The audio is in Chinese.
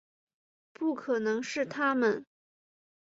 不可能是他们